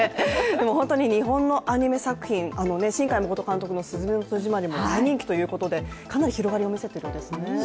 本当に日本のアニメ作品、新海誠監督の「すずめの戸締まり」も大人気ということでかなり広がりを見せているんですね。